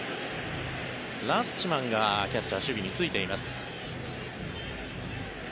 ラッチマンがキャッチャー守備に就いています。